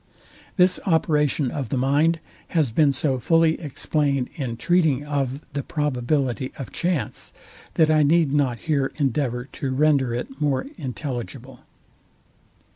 This operation of the mind has been so fully explained in treating of the probability of chance, that I need not here endeavour to render it more intelligible.